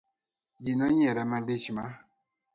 Ji nonyiera malich ma.